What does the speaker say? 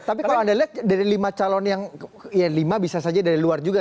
tapi kalau anda lihat dari lima calon yang ya lima bisa saja dari luar juga